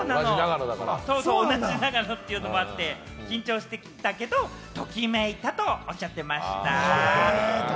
同じ長野というのもあって、緊張したけれども、ときめいたとおっしゃってました。